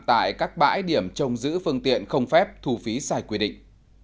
tại các bãi điểm trồng giữ phương tiện không phép thù phí sai quy định